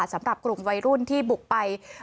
สำหรับกลุ่มวัยรุ่นที่บุกไป